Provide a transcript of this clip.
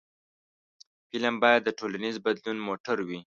فلم باید د ټولنیز بدلون موټر وي